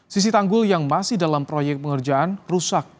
sisi tanggul yang masih dalam proyek pengerjaan rusak